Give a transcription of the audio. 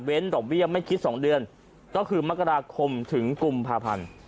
ดอกเบี้ยไม่คิด๒เดือนก็คือมกราคมถึงกุมภาพันธ์